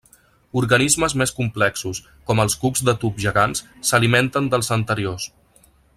Organismes més complexos, com els cucs de tub gegants, s'alimenten dels anteriors.